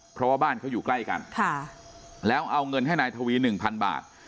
เพราะว่าบ้านเขาอยู่ใกล้กันแล้วเอาเงินให้นายทวี๑๐๐บาท